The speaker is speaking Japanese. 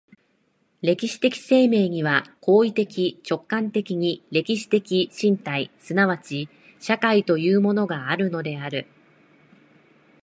歴史的生命には行為的直観的に歴史的身体即ち社会というものがあるのである。